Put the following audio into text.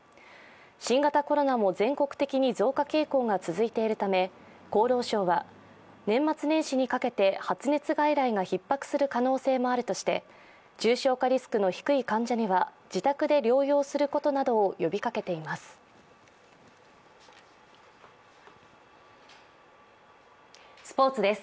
新型コロナも全国的に増加傾向が続いているため厚労省は年末年始にかけて発熱外来がひっ迫する可能性もあるとして重症化リスクの低い患者には自宅で療養することなどを呼びかけています。